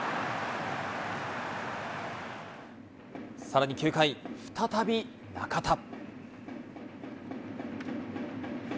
さらに９回、再び中田。